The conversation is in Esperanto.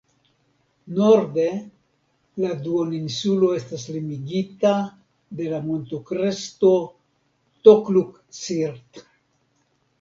Norde la duoninsulo estas limigita de la monto-kresto "Tokluk-Sirt".